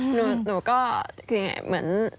หนูก็คือยังไงเหมือน